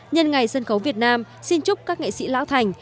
nhân ngày sân khấu việt nam xin chúc các nghệ sĩ lão thành